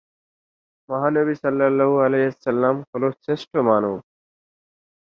তার এই আচরণ বহু দর্শকদের মনে ক্রোধের সঞ্চার করত।